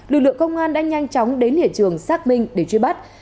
lực lượng công an đã nhanh chóng đến hệ trường sác minh để truy bắt